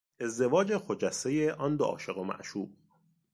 ازدواج خجستهی آن دو عاشق و معشوق